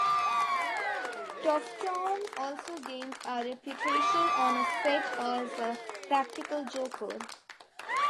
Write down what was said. Troughton also gained a reputation on set as a practical joker.